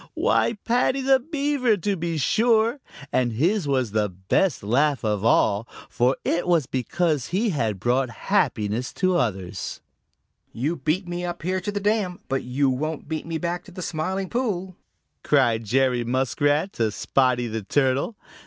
Why, Paddy the Beaver to be sure, and his was the best laugh of all, for it was because he had brought happiness to others. "You beat me up here to the dam, but you won't beat me back to the Smiling Pool," cried Jerry Muskrat to Spotty the Turtle.